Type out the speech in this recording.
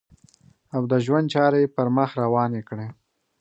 او د ژوند چارې یې پر مخ روانې کړې.